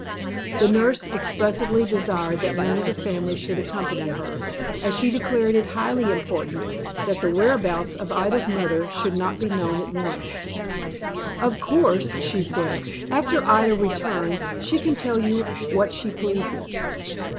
The nurse expressly desired that none of the family should accompany her, as she declared it highly important that the whereabouts of Ida's mother should not be known at once. "Of course," she said, "after Ida returns, she can tell you what she pleases.